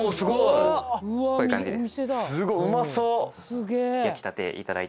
こういう感じです